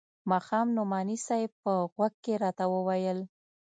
ماښام نعماني صاحب په غوږ کښې راته وويل.